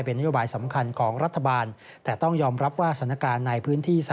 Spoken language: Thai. นโยบายสำคัญของรัฐบาลแต่ต้องยอมรับว่าสถานการณ์ในพื้นที่๓